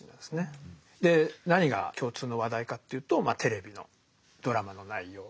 で何が共通の話題かっていうとテレビのドラマの内容。